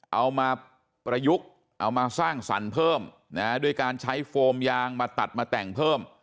เอามาประยุกต์เอามาสร้างสรรค์เพิ่มนะฮะด้วยการใช้โฟมยางมาตัดมาแต่งเพิ่ม